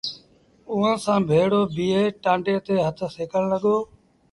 اُئآݩٚ سآݩٚ ڀيڙو بيٚهي ٽآنڊي تي هٿ سيڪڻ لڳو۔